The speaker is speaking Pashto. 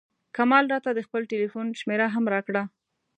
کمال راته د خپل ټیلفون شمېره هم راکړه.